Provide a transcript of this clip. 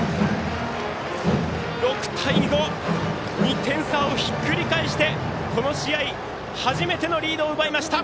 ６対５、２点差をひっくり返してこの試合、初めてのリードを奪いました。